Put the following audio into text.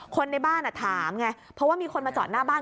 คนในบ้านถามไงเพราะว่ามีคนมาจอดหน้าบ้าน